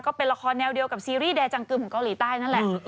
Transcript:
ก็เป็นละครแนวเดียวกับซีรีส์แอร์จังกึมของเกาหลีใต้นั่นแหละ